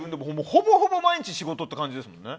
ほぼほぼ毎日仕事って感じですもんね。